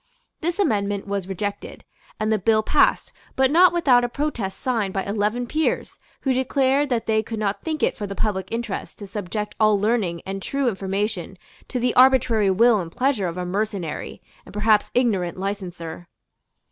This amendment was rejected; and the bill passed, but not without a protest signed by eleven peers who declared that they could not think it for the public interest to subject all learning and true information to the arbitrary will and pleasure of a mercenary and perhaps ignorant licenser.